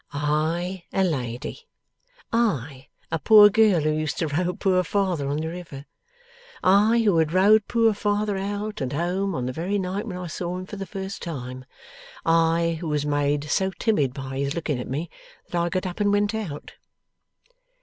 'I a lady! I, a poor girl who used to row poor father on the river. I, who had rowed poor father out and home on the very night when I saw him for the first time. I, who was made so timid by his looking at me, that I got up and went out!